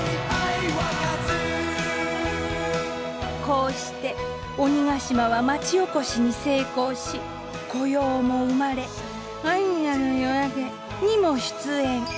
こうして鬼ヶ島は町おこしに成功し雇用も生まれ「ホニャララの夜明け」にも出演。